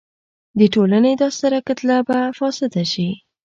د ټولنې دا ستره کتله به فاسده شي.